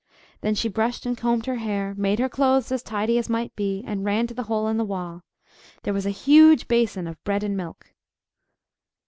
Then she brushed and combed her hair, made her clothes as tidy as might be, and ran to the hole in the wall: there was a huge basin of bread and milk!